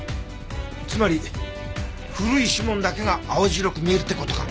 つまり古い指紋だけが青白く見えるって事か。